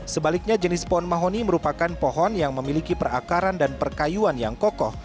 sebaliknya jenis pohon mahoni merupakan pohon yang memiliki perakaran dan perkayuan yang kokoh